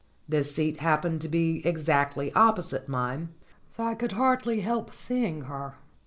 This seat happened to be exactly opposite mine, so that I could hardly help seeing her.